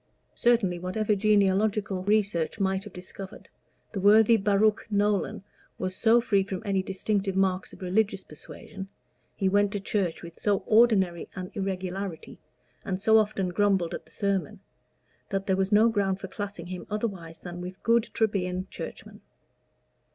Certainly, whatever genealogical research might have discovered, the worthy Baruch Nolan was so free from any distinctive marks of religious persuasion he went to church with so ordinary an irregularity, and so often grumbled at the sermon that there was no ground for classing him otherwise than with good Trebian Churchmen.